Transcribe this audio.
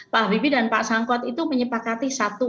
pak habibie dan pak sangkot itu menyepakati satu